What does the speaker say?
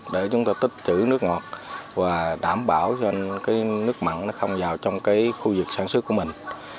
để chúng ta tích trữ nước ngọt và đảm bảo cho cái nước mặn nó không vào trong cái khu vực sản xuất của mình